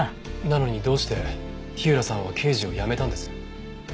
なのにどうして火浦さんは刑事を辞めたんです？